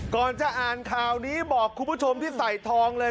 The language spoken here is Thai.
ก่อนจะอ่านข่าวนี้บอกคุณผู้ชมที่ใส่ทองเลย